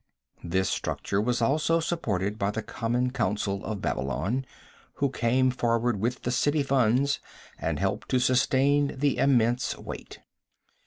This structure was also supported by the common council of Babylon, who came forward with the city funds, and helped to sustain the immense weight.